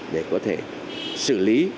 để chúng ta có thể xử lý